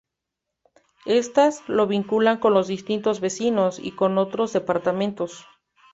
Estas lo vinculan con los distritos vecinos, y con otros departamentos.